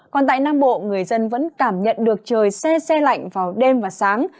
còn tại nam bộ người dân vẫn cảm nhận được trời xe xe lạnh vào đêm và sáng